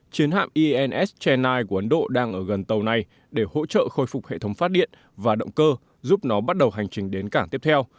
chiến hạm instini của ấn độ đang ở gần tàu này để hỗ trợ khôi phục hệ thống phát điện và động cơ giúp nó bắt đầu hành trình đến cảng tiếp theo